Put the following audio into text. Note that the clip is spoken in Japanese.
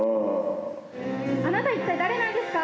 あなた一体誰なんですか？